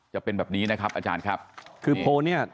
จะเป็นแบบนี้นะครับอาจารย์ครับคือโพลเนี่ย